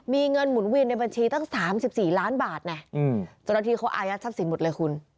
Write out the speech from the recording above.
มีเงินหมุนเวียนในบัญชีตั้ง๓๔ล้านบาทไงเจ้าหน้าที่เขาอายัดทรัพย์สินหมดเลยคุณ